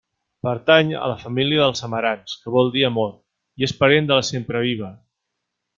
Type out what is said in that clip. Pertany a la família dels amarants, que vol dir amor, i és parent de la sempreviva.